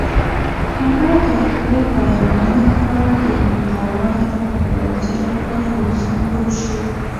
هغه د خپلو پیروانو لپاره د مقاومت او مبارزې لپاره یو سمبول شو.